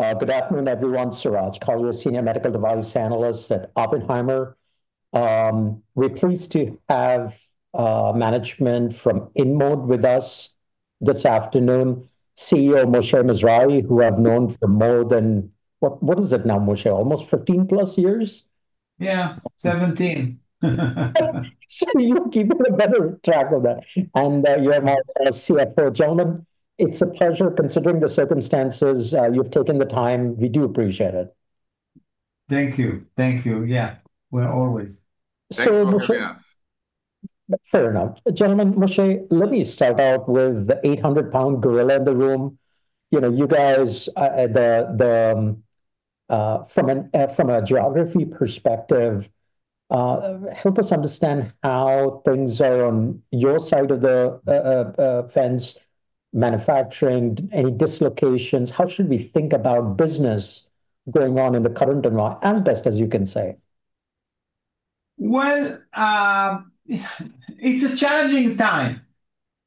Good afternoon, everyone. Suraj Kalia, Senior Medical Device Analyst at Oppenheimer. We're pleased to have management from InMode with us this afternoon. CEO Moshe Mizrahy, who I've known for more than what is it now, Moshe. Almost 15+ years? Yeah, 17. You're keeping a better track of that. You have CFO, Yair Malca. It's a pleasure considering the circumstances. You've taken the time. We do appreciate it. Thank you. Yeah. Well, always. So- Thanks for letting me out. Fair enough. Gentlemen, Moshe, let me start out with the 800 lb gorilla in the room. You know, you guys, from a geography perspective, help us understand how things are on your side of the fence. Manufacturing, any dislocations, how should we think about business going on in the current environment, as best as you can say? Well, it's a challenging time,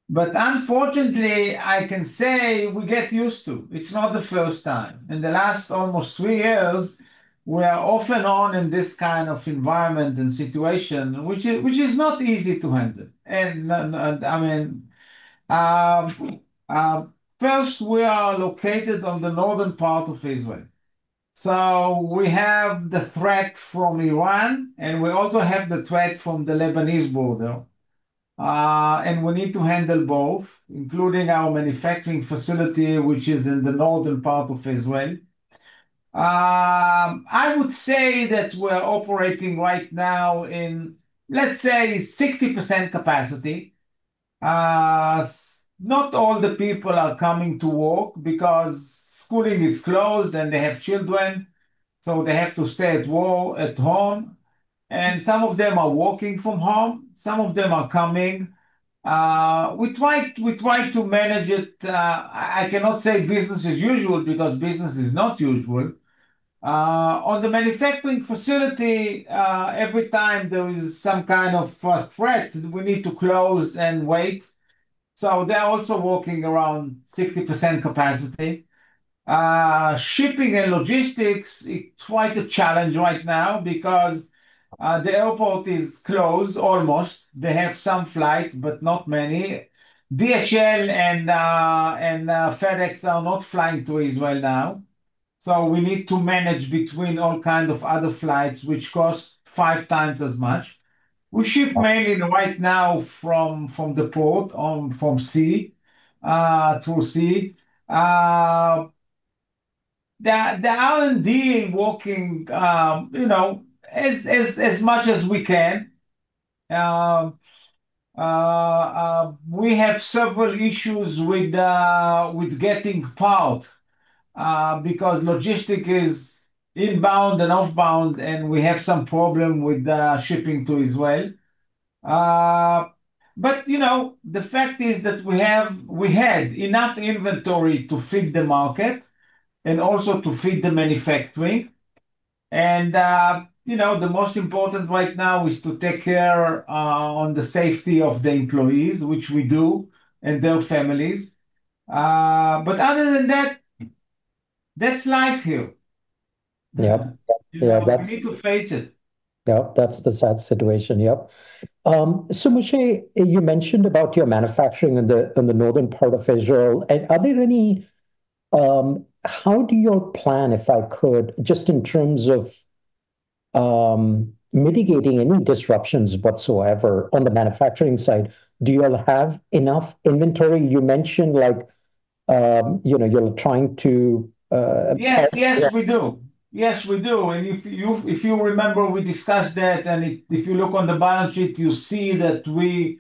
but unfortunately, I can say we get used to. It's not the first time. In the last almost three years, we are off and on in this kind of environment and situation, which is not easy to handle. I mean, first, we are located on the northern part of Israel, so we have the threat from Iran, and we also have the threat from the Lebanese border. We need to handle both, including our manufacturing facility, which is in the northern part of Israel. I would say that we're operating right now in, let's say, 60% capacity. Not all the people are coming to work because schools are closed and they have children, so they have to stay at home, and some of them are working from home, some of them are coming. We try to manage it. I cannot say business as usual because business is not usual. On the manufacturing facility, every time there is some kind of threat, we need to close and wait, so they're also working around 60% capacity. Shipping and logistics, it's quite a challenge right now because the airport is closed almost. They have some flights, but not many. DHL and FedEx are not flying to Israel now, so we need to manage between all kinds of other flights which cost five times as much. We ship mainly right now from sea through sea. The R&D working, you know, as much as we can. We have several issues with getting parts because logistics is inbound and outbound, and we have some problems with shipping to Israel. You know, the fact is that we had enough inventory to fit the market and also to fit the manufacturing. You know, the most important right now is to take care on the safety of the employees, which we do, and their families. Other than that's life here. Yeah. You know, we need to face it. Yep, that's the sad situation. Yep. Moshe, you mentioned about your manufacturing in the northern part of Israel, and are there any? How do you plan, if I could, just in terms of mitigating any disruptions whatsoever on the manufacturing side? Do you all have enough inventory? You mentioned, like, you know, you're trying to. Yes, we do. If you remember, we discussed that. If you look on the balance sheet, you see that we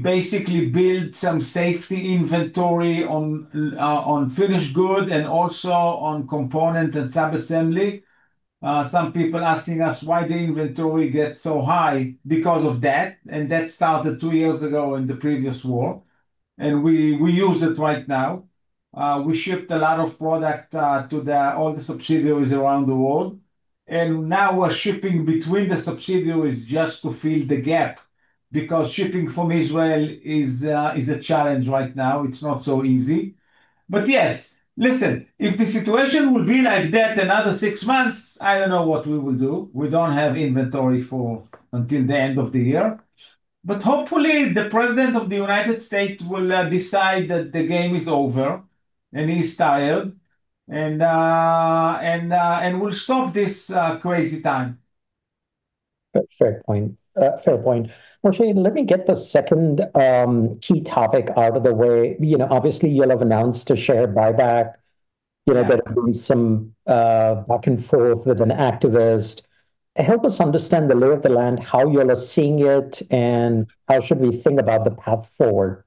basically built some safety inventory on finished good and also on component and sub-assembly. Some people asking us why the inventory gets so high because of that, and that started two years ago in the previous war, and we use it right now. We shipped a lot of product to all the subsidiaries around the world, and now we're shipping between the subsidiaries just to fill the gap, because shipping from Israel is a challenge right now. It's not so easy. Yes. Listen, if the situation will be like that another six months, I don't know what we will do. We don't have inventory for until the end of the year. Hopefully, the President of the United States will decide that the game is over and he's tired, and will stop this crazy time. Fair point. Moshe, let me get the second key topic out of the way. You know, obviously, you'll have announced a share buyback. You know, there have been some back and forth with an activist. Help us understand the lay of the land, how you all are seeing it, and how should we think about the path forward.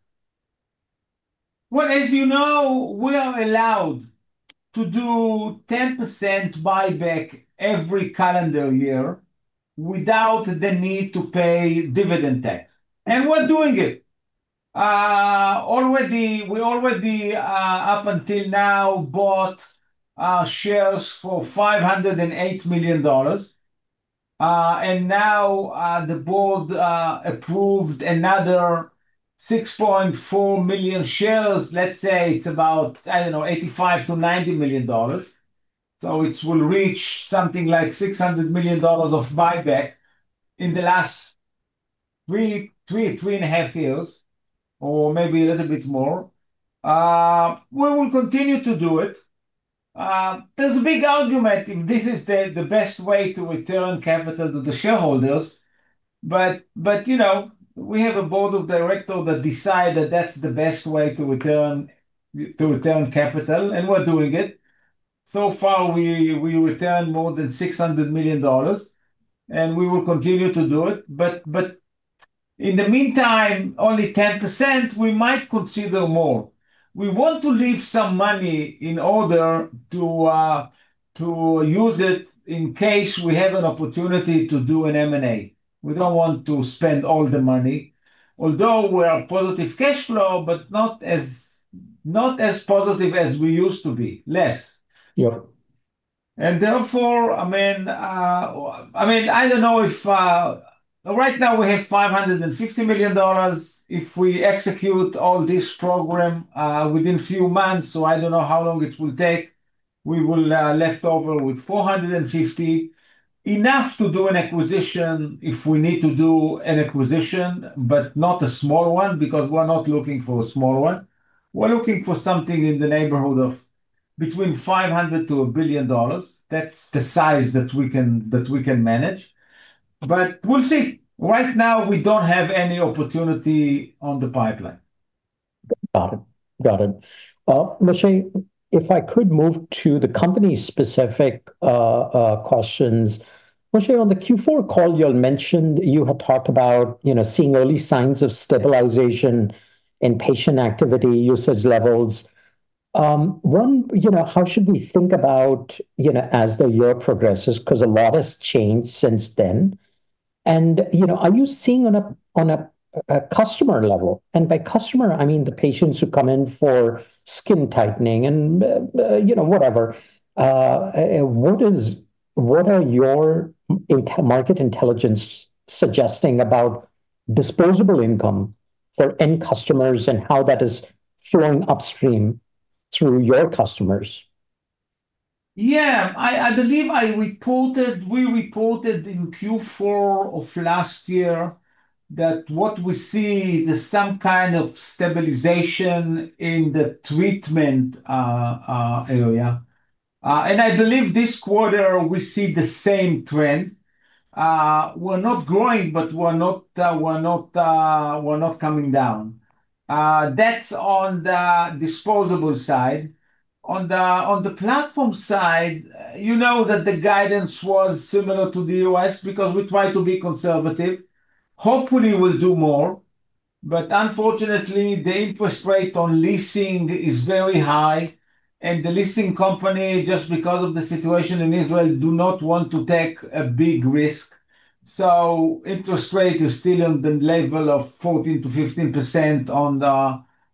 Well, as you know, we are allowed to do 10% buyback every calendar year without the need to pay dividend tax, and we're doing it. Already, up until now, we bought shares for $508 million. Now, the board approved another 6.4 million shares. Let's say it's about, I don't know, $85 million-$90 million. It will reach something like $600 million of buyback in the last 3.5 years, or maybe a little bit more. We will continue to do it. There's a big argument if this is the best way to return capital to the shareholders, but, you know, we have a board of directors that decide that that's the best way to return capital, and we're doing it. So far, we returned more than $600 million, and we will continue to do it. In the meantime, only 10%, we might consider more. We want to leave some money in order to use it in case we have an opportunity to do an M&A. We don't want to spend all the money, although we are positive cash flow, but not as positive as we used to be. Less. Yeah. Therefore, right now we have $550 million. If we execute all this program within a few months, I don't know how long it will take, we will be left with $450 million. Enough to do an acquisition if we need to do an acquisition, but not a small one, because we're not looking for a small one. We're looking for something in the neighborhood of between $500 million-$1 billion. That's the size that we can manage. We'll see. Right now we don't have any opportunity in the pipeline. Moshe, if I could move to the company-specific questions. Moshe, on the Q4 call, you mentioned you had talked about seeing early signs of stabilization in patient activity usage levels. How should we think about as the year progresses, 'cause a lot has changed since then, and are you seeing on a customer level, and by customer, I mean the patients who come in for skin tightening and whatever, what are your internal market intelligence suggesting about disposable income for end customers and how that is flowing upstream through your customers? I believe we reported in Q4 of last year that what we see is some kind of stabilization in the treatment area. I believe this quarter we see the same trend. We're not growing, but we're not coming down. That's on the disposable side. On the platform side, you know that the guidance was similar to the U.S. because we try to be conservative. Hopefully, we'll do more, but unfortunately, the interest rate on leasing is very high, and the leasing company, just because of the situation in Israel, do not want to take a big risk. Interest rate is still on the level of 14%-15%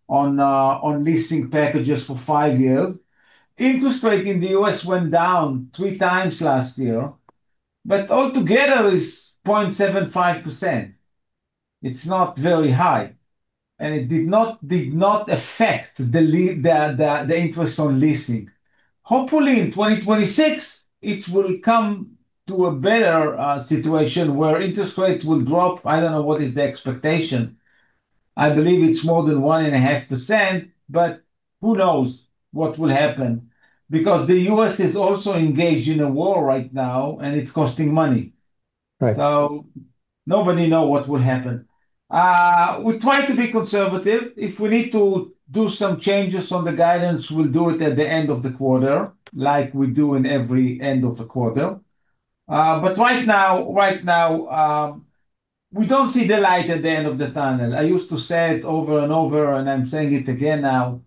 on leasing packages for 5 years. Interest rate in the U.S. went down three times last year, but altogether is 0.75%. It's not very high, and it did not affect the interest on leasing. Hopefully, in 2026, it will come to a better situation where interest rates will drop. I don't know what is the expectation. I believe it's more than 1.5%, but who knows what will happen, because the U.S. is also engaged in a war right now, and it's costing money. Right. Nobody know what will happen. We try to be conservative. If we need to do some changes on the guidance, we'll do it at the end of the quarter, like we do in every end of the quarter. Right now, we don't see the light at the end of the tunnel. I used to say it over and over, and I'm saying it again now.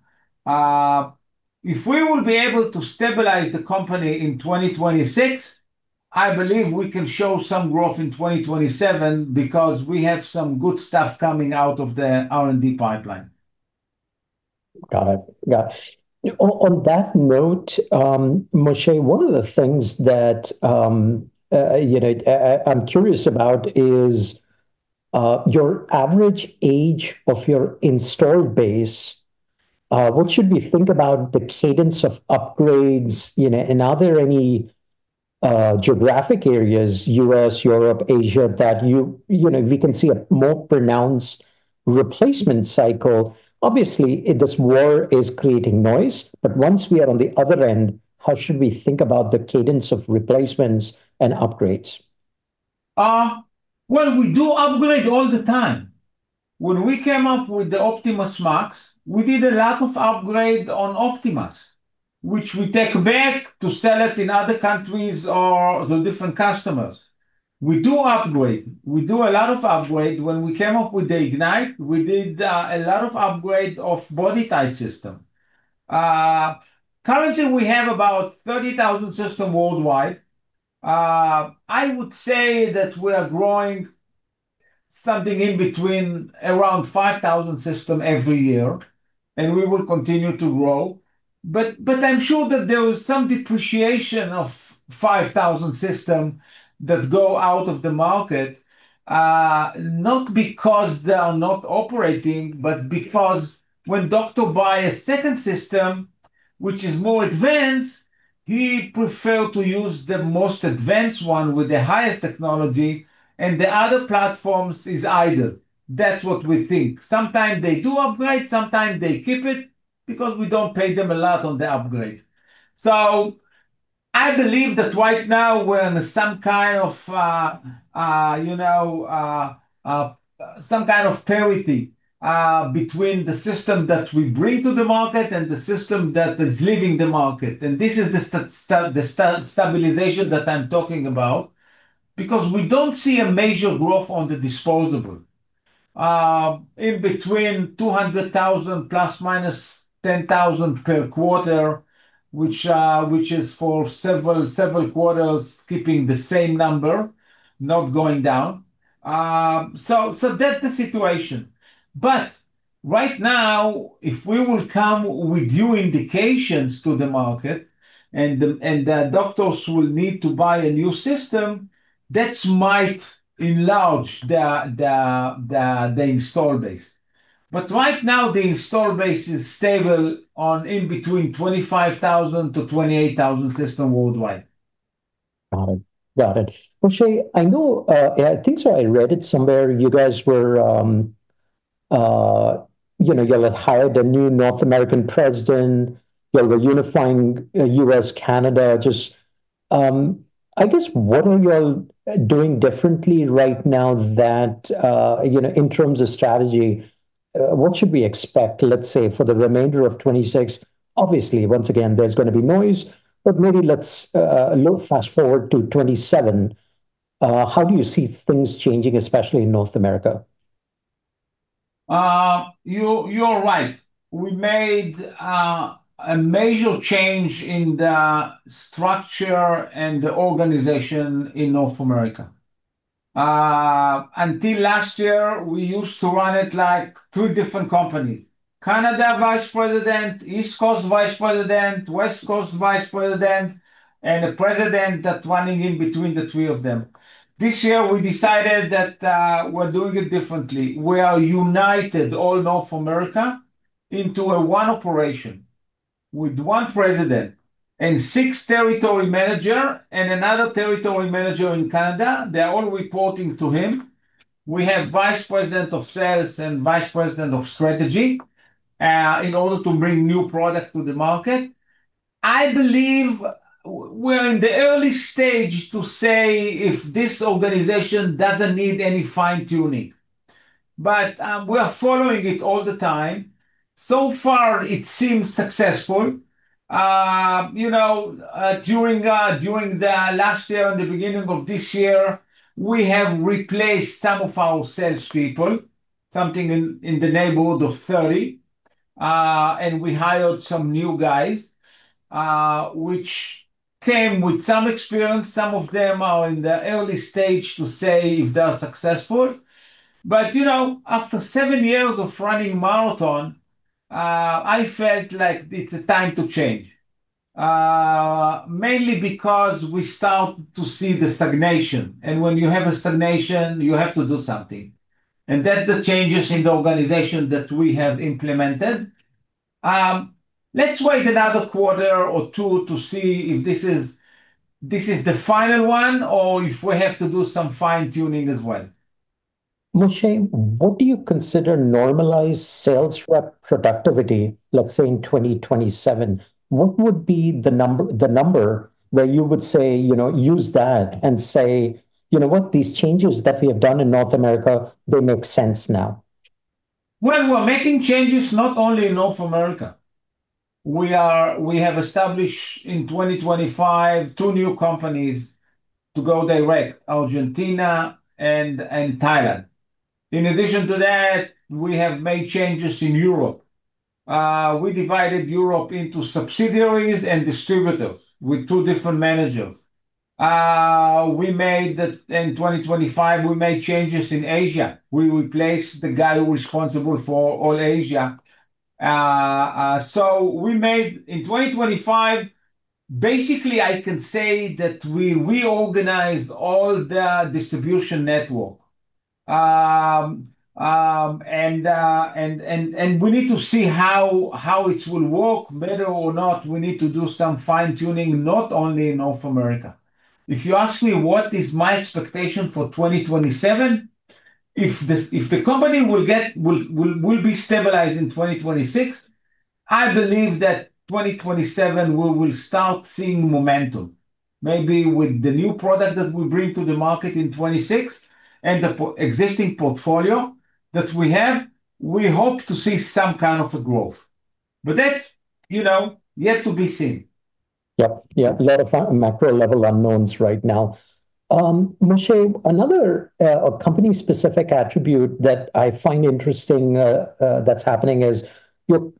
If we will be able to stabilize the company in 2026, I believe we can show some growth in 2027 because we have some good stuff coming out of the R&D pipeline. Got it. On that note, Moshe Mizrahy, one of the things that, you know, I'm curious about is your average age of your installed base, what should we think about the cadence of upgrades, you know, and are there any geographic areas, U.S., Europe, Asia, that you know we can see a more pronounced replacement cycle? Obviously, this war is creating noise, but once we are on the other end, how should we think about the cadence of replacements and upgrades? Well, we do upgrade all the time. When we came up with the OptimasMax, we did a lot of upgrade on Optimas, which we take back to sell it in other countries or to different customers. We do upgrade. We do a lot of upgrade. When we came up with the IgniteRF, we did a lot of upgrade of body type system. Currently we have about 30,000 systems worldwide. I would say that we are growing something in between around 5,000 systems every year, and we will continue to grow. I'm sure that there is some depreciation of 5,000 systems that go out of the market, not because they are not operating, but because when doctor buy a second system which is more advanced, he prefer to use the most advanced one with the highest technology, and the other platforms is idle. That's what we think. Sometimes they do upgrade, sometimes they keep it, because we don't pay them a lot on the upgrade. I believe that right now we're in some kind of, you know, some kind of parity between the systems that we bring to the market and the systems that is leaving the market, and this is the stabilization that I'm talking about because we don't see a major growth on the disposable. In between $200,000 ±10,000 per quarter, which is for several quarters keeping the same number, not going down. That's the situation. Right now, if we will come with new indications to the market and the doctors will need to buy a new system, that might enlarge the install base. Right now, the install base is stable in between 25,000-28,000 systems worldwide. Got it. Moshe, I know, yeah, I think so I read it somewhere, you guys were, you know, y'all have hired a new North American president, y'all were unifying U.S., Canada. Just, I guess what are you all doing differently right now that, you know, in terms of strategy, what should we expect, let's say, for the remainder of 2026? Obviously, once again, there's gonna be noise, but maybe let's, a little fast-forward to 2027. How do you see things changing, especially in North America? You are right. We made a major change in the structure and the organization in North America. Until last year, we used to run it like two different companies, Canada vice president, East Coast vice president, West Coast vice president, and a president that's running in between the three of them. This year we decided that we're doing it differently. We are united all North America into a one operation with one president and six territory manager and another territory manager in Canada. They're all reporting to him. We have vice president of sales and vice president of strategy in order to bring new product to the market. I believe we're in the early stage to say if this organization doesn't need any fine-tuning, but we are following it all the time. So far it seems successful. You know, during the last year and the beginning of this year, we have replaced some of our salespeople, something in the neighborhood of 30. We hired some new guys, which came with some experience. Some of them are in the early stage to say if they're successful. You know, after seven years of running marathon, I felt like it's a time to change, mainly because we start to see the stagnation. When you have a stagnation, you have to do something. That's the changes in the organization that we have implemented. Let's wait another quarter or two to see if this is the final one or if we have to do some fine-tuning as well. Moshe, what do you consider normalized sales rep productivity, let's say, in 2027? What would be the number, the number where you would say, you know, use that and say, "You know what? These changes that we have done in North America, they make sense now. Well, we're making changes not only in North America. We have established in 2025 two new companies to go direct, Argentina and Thailand. In addition to that, we have made changes in Europe. We divided Europe into subsidiaries and distributors with two different managers. In 2025, we made changes in Asia. We replaced the guy who responsible for all Asia. In 2025, basically I can say that we reorganized all the distribution network. We need to see how it will work, whether or not we need to do some fine-tuning, not only in North America. If you ask me what is my expectation for 2027, if the company will be stabilized in 2026, I believe that 2027 we will start seeing momentum. Maybe with the new product that we bring to the market in 2026 and the existing portfolio that we have, we hope to see some kind of a growth. That's, you know, yet to be seen. Yep. Yeah, a lot of macro level unknowns right now. Moshe, another company-specific attribute that I find interesting, that's happening is your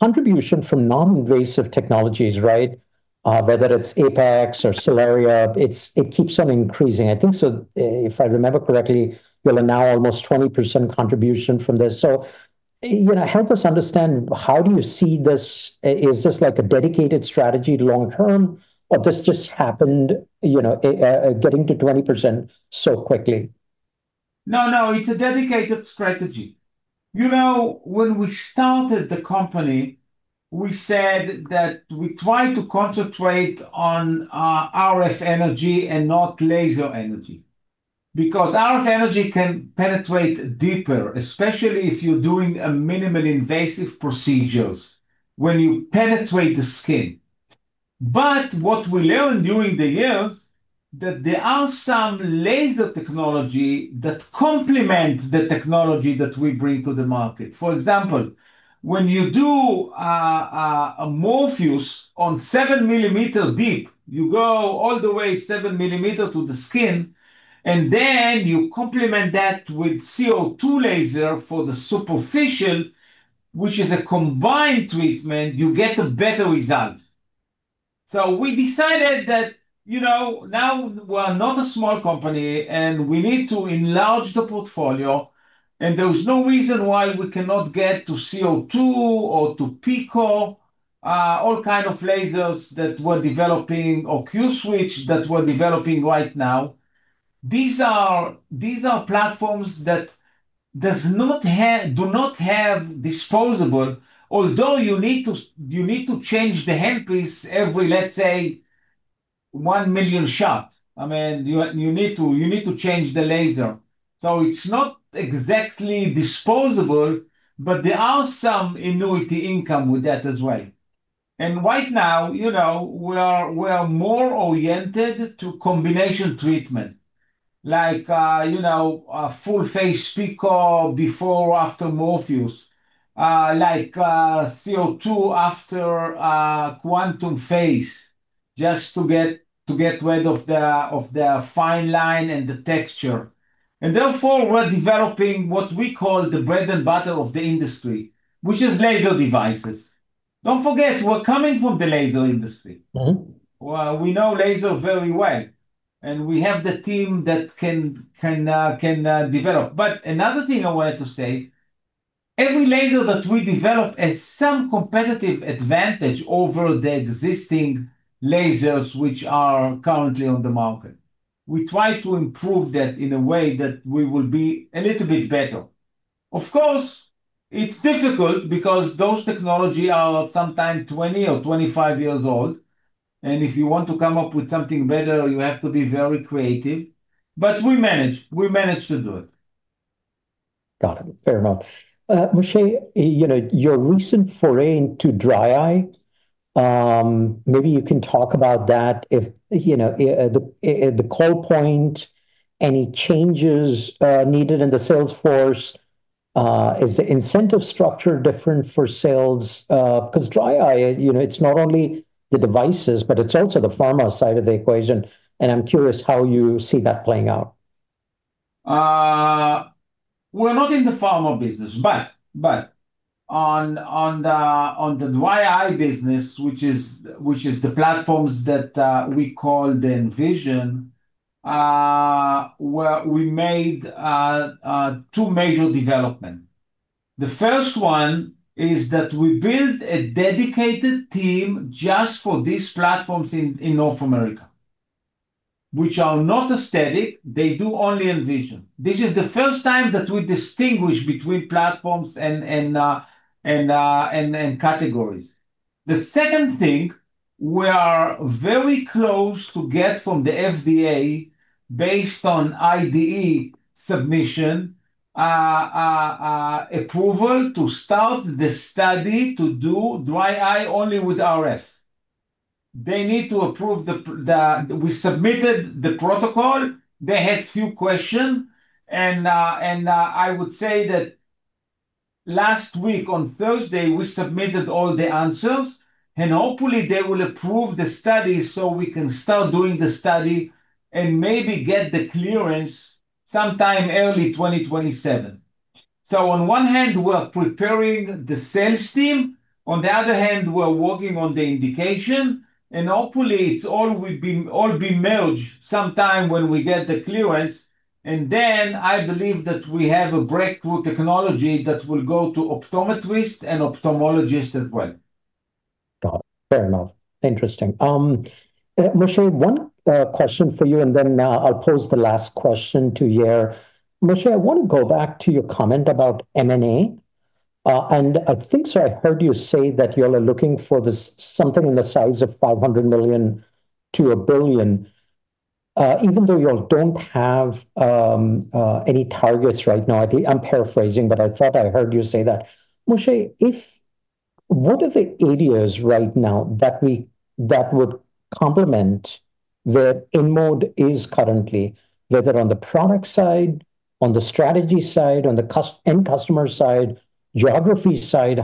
contribution from non-invasive technologies, right? Whether it's Apex or Solaria, it keeps on increasing. I think so, if I remember correctly, you're now almost 20% contribution from this. You know, help us understand how do you see this? Is this like a dedicated strategy long term, or this just happened, you know, getting to 20% so quickly? No, no, it's a dedicated strategy. You know, when we started the company, we said that we try to concentrate on RF energy and not laser energy. Because RF energy can penetrate deeper, especially if you're doing a minimally invasive procedures when you penetrate the skin. But what we learned during the years that there are some laser technology that complement the technology that we bring to the market. For example, when you do a Morpheus8 on 7 mm deep, you go all the way 7 mm to the skin, and then you complement that with CO2 laser for the superficial, which is a combined treatment, you get a better result. We decided that, you know, now we are not a small company, and we need to enlarge the portfolio, and there is no reason why we cannot get to CO2 or to Pico, all kind of lasers that we're developing or Q-switched that we're developing right now. These are platforms that do not have disposable, although you need to change the hand piece every, let's say, 1 million shot. I mean, you need to change the laser. It's not exactly disposable, but there are some annuity income with that as well. Right now, you know, we are more oriented to combination treatment, like, you know, a full face Pico before or after Morpheus8, like, CO2 after, QuantumRF face, just to get rid of the fine line and the texture. Therefore, we're developing what we call the bread and butter of the industry, which is laser devices. Don't forget, we're coming from the laser industry. We know laser very well, and we have the team that can develop. Another thing I wanted to say, every laser that we develop has some competitive advantage over the existing lasers which are currently on the market. We try to improve that in a way that we will be a little bit better. Of course, it's difficult because those technology are sometimes 20 or 25 years old, and if you want to come up with something better, you have to be very creative. We manage to do it. Got it. Fair enough. Moshe, you know, your recent foray into dry eye, maybe you can talk about that, if, you know, the call point, any changes needed in the sales force. Is the incentive structure different for sales? 'Cause dry eye, you know, it's not only the devices, but it's also the pharma side of the equation, and I'm curious how you see that playing out. We're not in the pharma business on the dry eye business, which is the platforms that we call the Envision, well, we made two major development. The first one is that we built a dedicated team just for these platforms in North America, which are not aesthetic, they do only Envision. This is the first time that we distinguish between platforms and categories. The second thing, we are very close to get from the FDA, based on IDE submission, approval to start the study to do dry eye only with RF. They need to approve. We submitted the protocol. They had few questions, and I would say that last week on Thursday, we submitted all the answers, and hopefully, they will approve the study so we can start doing the study and maybe get the clearance sometime early 2027. On one hand, we're preparing the sales team. On the other hand, we're working on the indication, and hopefully it all will be merged sometime when we get the clearance. Then I believe that we have a breakthrough technology that will go to optometrists and ophthalmologists as well. Got it. Fair enough. Interesting. Moshe, one question for you, and then I'll pose the last question to Yair. Moshe, I wanna go back to your comment about M&A. I think, sir, I heard you say that you all are looking for this something in the size of $500 million-$1 billion. Even though you all don't have any targets right now, I think I'm paraphrasing, but I thought I heard you say that. Moshe, what are the areas right now that would complement where InMode is currently, whether on the product side, on the strategy side, on the customer side, geography side?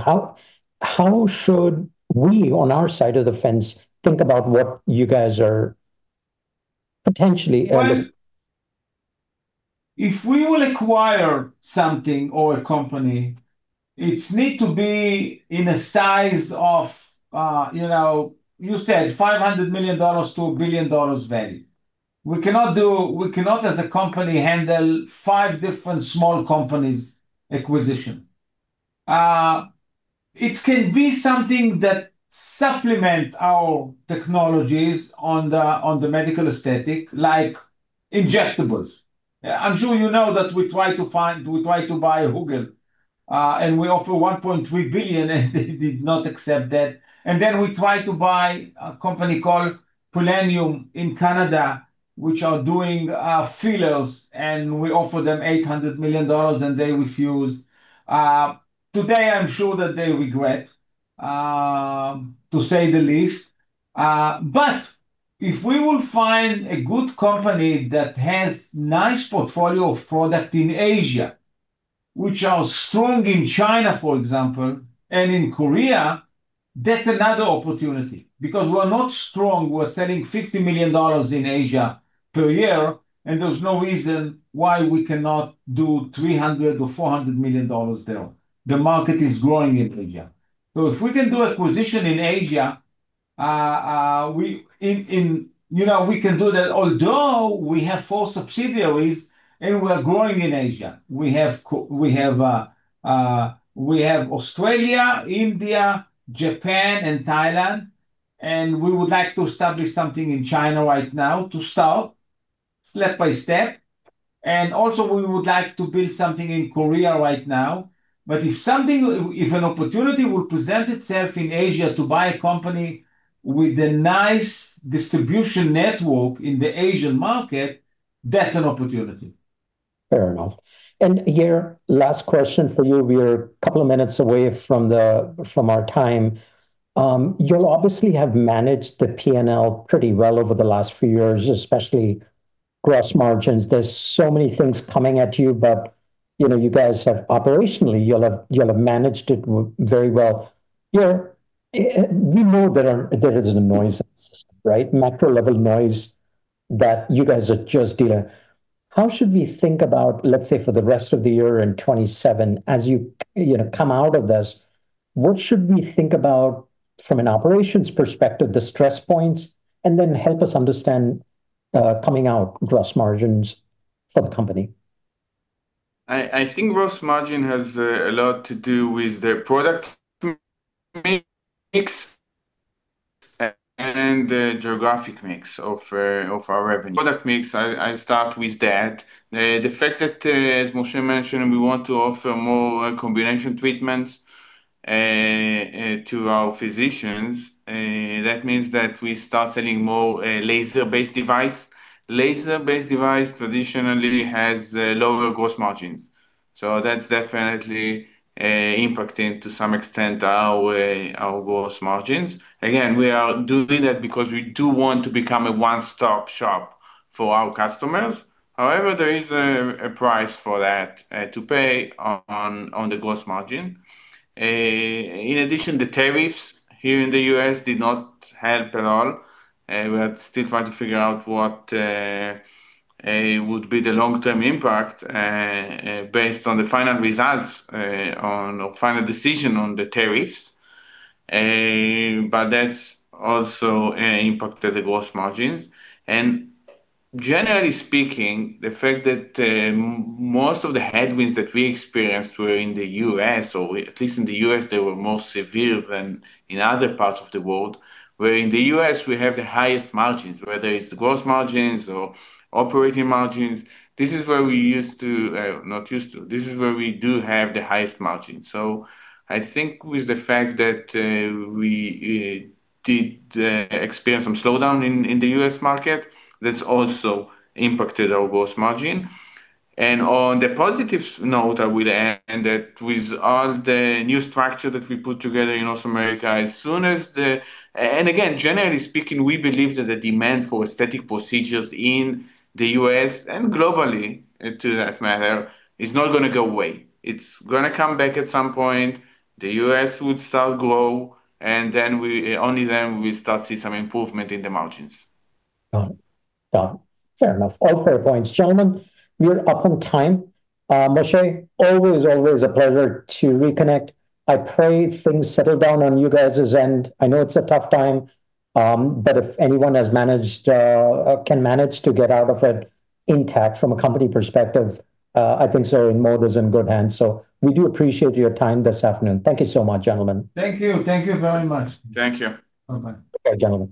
How should we, on our side of the fence, think about what you guys are potentially aiming- If we will acquire something or a company, it need to be in a size of, you know, you said $500 million-$1 billion value. We cannot, as a company, handle five different small companies acquisition. It can be something that supplement our technologies on the medical aesthetic, like injectables. I'm sure you know that we try to buy Hugel, and we offer $1.3 billion, and they did not accept that. We try to buy a company called Prollenium in Canada, which are doing fillers, and we offer them $800 million, and they refuse. Today I'm sure that they regret to say the least. If we will find a good company that has nice portfolio of product in Asia, which are strong in China, for example, and in Korea, that's another opportunity because we're not strong. We're selling $50 million in Asia per year, and there's no reason why we cannot do $300 million or $400 million there. The market is growing in Asia. If we can do acquisition in Asia, you know, we can do that. Although we have four subsidiaries, and we are growing in Asia. We have Australia, India, Japan, and Thailand, and we would like to establish something in China right now to start step by step. We would like to build something in Korea right now. If an opportunity will present itself in Asia to buy a company with a nice distribution network in the Asian market, that's an opportunity. Fair enough. Yair, last question for you. We're a couple of minutes away from our time. You'll obviously have managed the P&L pretty well over the last few years, especially gross margins. There are so many things coming at you, but, you know, you guys have. Operationally, you'll have managed it very well. Yair, we know there is a noise, right? Macro level noise that you guys are just in a. How should we think about, let's say, for the rest of the year in 2027, as you know, come out of this, what should we think about from an operations perspective, the stress points, and then help us understand coming out gross margins for the company? I think gross margin has a lot to do with the product mix and the geographic mix of our revenue. Product mix, I start with that. The fact that, as Moshe mentioned, we want to offer more combination treatments to our physicians, that means that we start selling more laser-based device. Laser-based device traditionally has lower gross margins, so that's definitely impacting to some extent our gross margins. Again, we are doing that because we do want to become a one-stop shop for our customers. However, there is a price for that to pay on the gross margin. In addition, the tariffs here in the U.S. did not help at all. We are still trying to figure out what would be the long-term impact based on the final results or final decision on the tariffs. But that's also impacted the gross margins. Generally speaking, the fact that most of the headwinds that we experienced were in the U.S., or at least in the U.S., they were more severe than in other parts of the world, where in the U.S. we have the highest margins, whether it's gross margins or operating margins. This is where we do have the highest margins. I think with the fact that we did experience some slowdown in the U.S. market, that's also impacted our gross margin. On the positive note, I will end that with all the new structure that we put together in North America, and again, generally speaking, we believe that the demand for aesthetic procedures in the U.S. and globally, to that matter, is not gonna go away. It's gonna come back at some point. The U.S. would start grow, and then, only then we start to see some improvement in the margins. Got it. Fair enough. All fair points. Gentlemen, we're up on time. Moshe, always a pleasure to reconnect. I pray things settle down on you guys' end. I know it's a tough time, but if anyone can manage to get out of it intact from a company perspective, I think, sir, InMode is in good hands. We do appreciate your time this afternoon. Thank you so much, gentlemen. Thank you. Thank you very much. Thank you. Bye-bye. Okay, gentlemen.